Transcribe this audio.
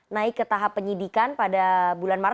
naik ke tahap penyidikan pada bulan maret dua ribu tujuh belas